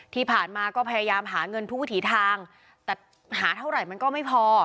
ที่ผ่านมาก็พยายามหาเงินทุกวิถีทางแต่หาเท่าไหร่มันก็ไม่พอ